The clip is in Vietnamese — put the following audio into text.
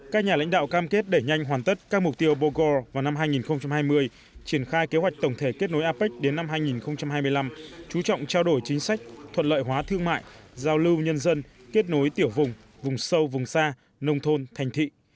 các nhà lãnh đạo cam kết đẩy nhanh hoàn tất các mục tiêu bogle vào năm hai nghìn hai mươi triển khai kế hoạch tổng thể kết nối apec đến năm hai nghìn hai mươi năm chú trọng trao đổi chính sách thuận lợi hóa thương mại giao lưu nhân dân kết nối tiểu vùng vùng sâu vùng xa nông thôn thành thị